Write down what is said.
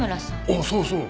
おっそうそう。